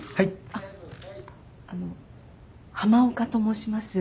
あっあの浜岡と申します。